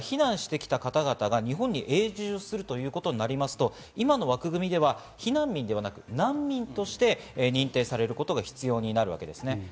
今回、特例というかウクライナから避難してきた方々が日本に永住するということになりますと今の枠組みでは避難民ではなく、難民として認定されることが必要になるわけですね。